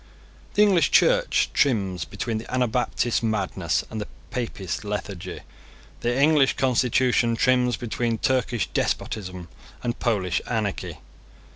The English Church trims between the Anabaptist madness and the Papist lethargy. The English constitution trims between Turkish despotism and Polish anarchy.